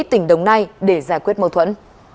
tỉnh đồng nai để giải quyết mâu thuẫn